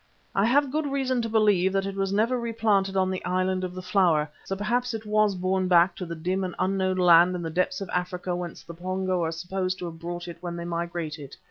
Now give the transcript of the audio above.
I have good reason to believe that it was never replanted on the Island of the Flower, so perhaps it was borne back to the dim and unknown land in the depths of Africa whence the Pongo are supposed to have brought it when they migrated.